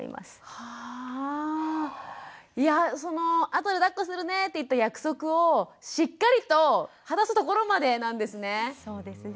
はあいやあとでだっこするねって言った約束をしっかりと果たすところまでなんですね。